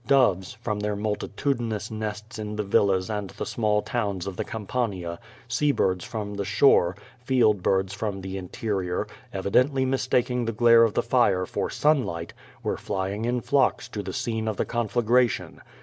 Doves, from their multitudinous nests in the villas and the small towns of the Campania, seabirds from the shore, field birds from the interior, evidently mistaking the glare of the fire for sunlight, were flying in flocks to the scene of the conflagra tion.